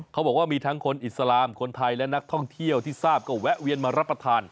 เขาบอกว่ามีทั้งคนอิสลามคนไทยและนักท่องเที่ยวที่ทราบก็แวะเวียนมารับประทาน